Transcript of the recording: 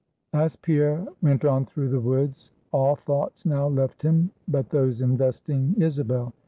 As Pierre went on through the woods, all thoughts now left him but those investing Isabel.